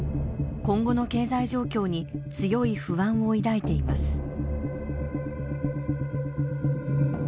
今後の経済状況に強い不安を抱いています。